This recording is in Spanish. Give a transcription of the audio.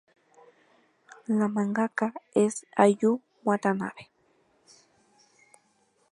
La mangaka es Ayu Watanabe.